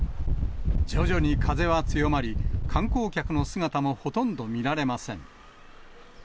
徐々に風は強まり、観光客の姿もほとんど見られません。